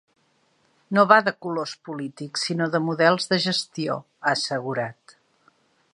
“No va de colors polítics, sinó de models de gestió”, ha assegurat.